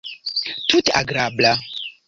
Tute agrabla.